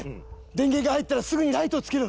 電源が入ったらすぐにライトをつけろ。